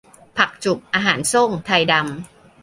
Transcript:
ผักจุบ อาหารโซ่ง ไทดำ